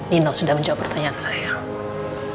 nino sudah menjawab pertanyaan saya